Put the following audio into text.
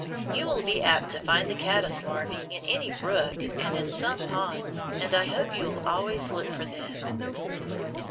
You will be apt to find the caddice larvæ in any brook and in some ponds, and I hope you will always look for them.